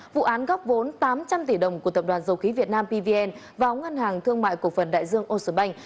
vụ án góp vốn tám trăm linh tỷ đồng của tập đoàn dầu khí việt nam pvn và ống ngân hàng thương mại cổ phần đại dương oslobank